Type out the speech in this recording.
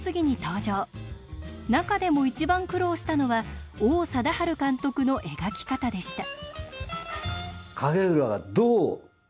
中でも一番苦労したのは王貞治監督の描き方でした。